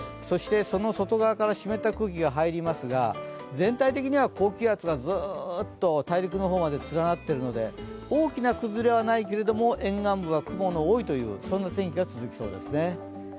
そしてその外側から湿った空気が入りますが全体的には高気圧がずっと大陸の方まで連なっているので大きな崩れはないけれど、沿岸部は雲の多い天気が続きそうです。